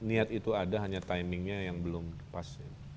niat itu ada hanya timingnya yang belum pas